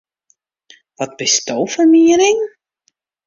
Wat bisto fan miening?